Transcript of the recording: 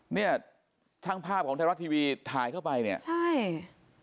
เนี่ยช่างภาพของไทยรัฐทีวีถ่ายเข้าไปเนี่ยใช่